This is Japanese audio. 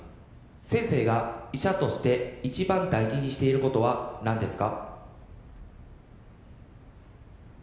先生が医者として一番大事にしていることは何ですか？